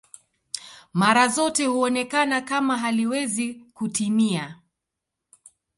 Mara zote huonekana kama haliwezi kutimia